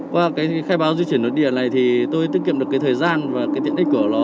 qua cái khai báo di chuyển nội địa này thì tôi tiết kiệm được cái thời gian và cái tiện ích của nó